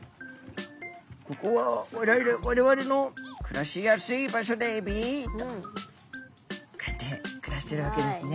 「ここは我々の暮らしやすい場所だエビ」とこうやって暮らしてるわけですね。